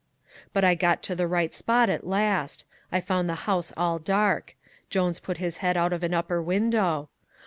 "But I got to the right spot at last. I found the house all dark. Jones put his head out of an upper window.